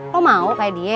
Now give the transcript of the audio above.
lo mau kayak dia